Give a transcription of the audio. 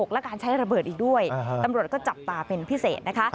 และการใช้ระเบิดอีกด้วยตำรวจก็จับตาเป็นพิเศษนะคะ